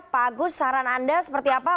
pak agus saran anda seperti apa